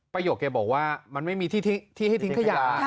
ประโยคแกบอกว่ามันไม่มีที่ให้ทิ้งขยะ